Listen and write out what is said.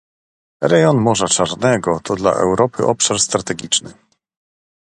Rejon Morza Czarnego to dla Europy obszar strategiczny